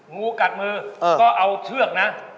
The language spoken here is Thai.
งูกัดมือก็เอาเชือกนะ